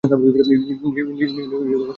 ইন্দ্রিয়ে কেহ কখনও সুখ পায় নাই।